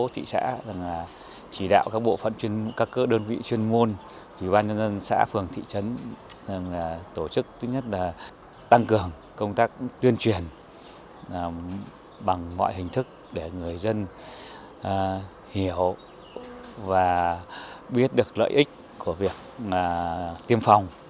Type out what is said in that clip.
tỉnh hà nam đã tăng cường công tác tuyên truyền bằng mọi hình thức để người dân hiểu và biết được lợi ích của việc tiêm phòng